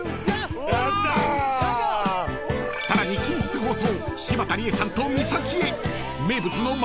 ［さらに近日放送］